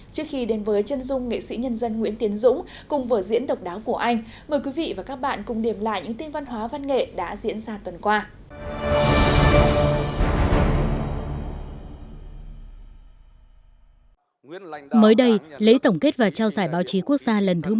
trước khi đến với chân dung nghệ sĩ nhân dân nguyễn tiến dũng cùng vở diễn độc đáo của anh mời quý vị và các bạn cùng điểm lại những tin văn hóa văn nghệ đã diễn ra tuần qua